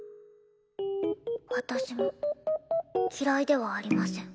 私も嫌いではありません。